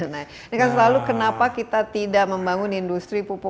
nah ini kan selalu kenapa kita tidak membangun industri pupuk